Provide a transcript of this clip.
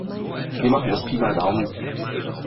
Wir machen das Pi mal Daumen.